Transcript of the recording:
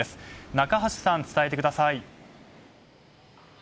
中橋さん、伝えてください。